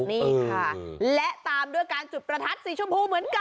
นี่ค่ะและตามด้วยการจุดประทัดสีชมพูเหมือนกัน